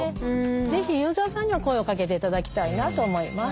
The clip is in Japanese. ぜひユーザーさんには声をかけて頂きたいなと思います。